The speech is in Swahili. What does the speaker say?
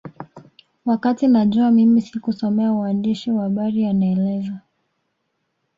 Wakati najua mimi sikusomea uandishi wa habari anaeleza